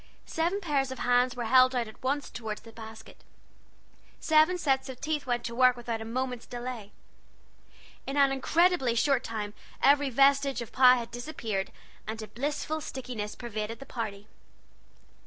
Seven pairs of hands were held out at once toward the basket; seven sets of teeth went to work without a moment's delay. In an incredibly short time every vestige of the pie had disappeared, and a blissful stickiness pervaded the party.